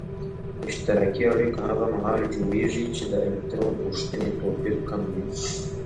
اشتراکي اړیکه هغه محال جوړیږي چې د الکترون غوښتنې توپیر کم وي.